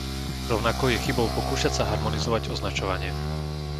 Rovnako je chybou pokúšať sa harmonizovať označovanie.